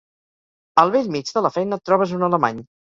Al bell mig de la feina trobes un alemany.